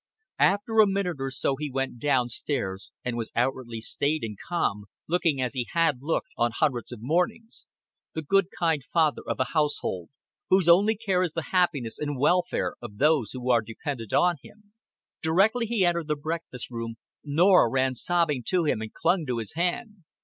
After a minute or so he went down stairs, and was outwardly staid and calm, looking as he had looked on hundreds of mornings: the good kind father of a household, whose only care is the happiness and welfare of those who are dependent on him. Directly he entered the breakfast room Norah ran sobbing to him and clung to his hand.